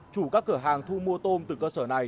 chủ các cửa hàng thu mua tôm từ cơ sở này